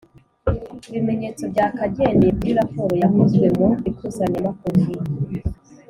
ibimenyetso byakagendeye kuri raporo yakozwe mu ikusanyamakuru